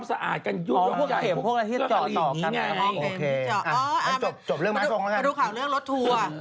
มาดูข่าวเรื่องรถทัวร์